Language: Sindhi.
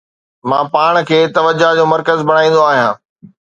مان پاڻ کي توجه جو مرڪز بڻائيندو آهيان